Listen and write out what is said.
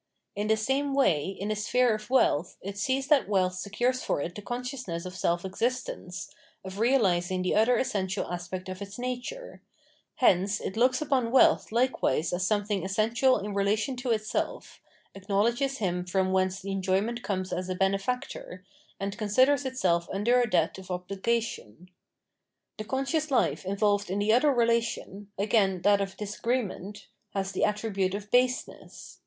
In the same way in the sphere of wealth, it sees that wealth secures for it the consciousness of self existence, of 507 Culture and its Sphere of Reality realising the other essential aspect of its nature : hence it looks upon wealth likewise as something essential in relation to itself, acknowledges him from whence the enjoyment comes as a benefactor, and considers itself under a debt of obhgation. The conscious life involved in the other relation, again, that of disagreement, has the attribute of Baseness.